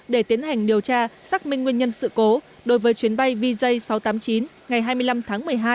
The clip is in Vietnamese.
để tiến hành điều tra xác minh nguyên nhân sự cố đối với chuyến bay vj sáu trăm tám mươi chín ngày hai mươi năm tháng một mươi hai